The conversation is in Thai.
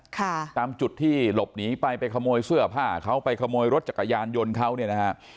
ค่ะตามจุดที่หลบหนีไปไปขโมยเสื้อผ้าเขาไปขโมยรถจักรยานยนต์เขาเนี่ยนะฮะ